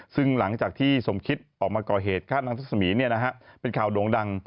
ซึ่งหลังจากที่สมคิดออกมาก่อเหตุฆ่านางทัศมีร์เป็นข่าวโด่งดัง